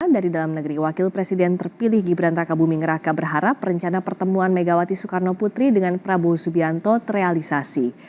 dari dalam negeri wakil presiden terpilih gibran raka buming raka berharap rencana pertemuan megawati soekarno putri dengan prabowo subianto terrealisasi